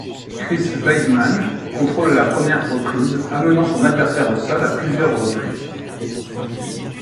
Chris Weidman contrôle la première reprise, amenant son adversaire au sol à plusieurs reprises.